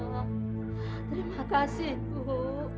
terima kasih ibu